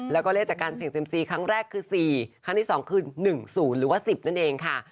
แล้วก็เลขจากการเสี่ยงเซ็มซีครั้งแรกคือ๔ครั้งที่๒คือ๑๐หรือว่า๑๐นั่นเองค่ะ